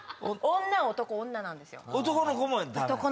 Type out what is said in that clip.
女男女なんですよ